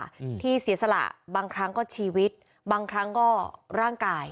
อืมที่เสียสละบางครั้งก็ชีวิตบางครั้งก็ร่างกาย